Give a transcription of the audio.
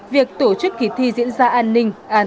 việc tổ chức kỳ thi diễn ra an ninh